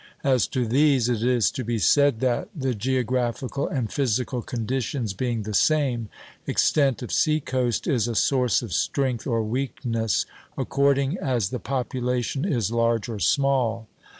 As to these it is to be said that, the geographical and physical conditions being the same, extent of sea coast is a source of strength or weakness according as the population is large or small.